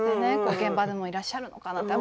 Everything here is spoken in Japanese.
現場でもいらっしゃるのかなと思って。